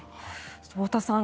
太田さん